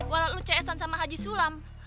walau cs an sama haji sulam